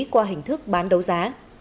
qua hình thức bán đấu giá